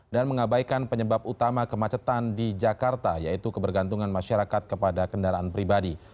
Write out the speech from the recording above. dan mengabaikan penyebab utama kemacetan di jakarta yaitu kebergantungan masyarakat kepada kendaraan pribadi